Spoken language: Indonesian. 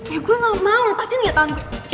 ya gue ga mau lepasin ya tangan gue